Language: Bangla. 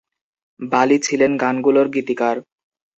বালি ছিলেন গানগুলোর গীতিকার।